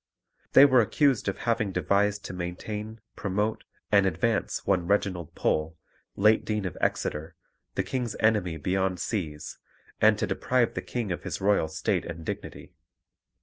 They were accused of having devised to maintain, promote, and advance one Reginald Pole, late Dean of Exeter, the King's enemy beyond seas, and to deprive the King of his royal state and dignity.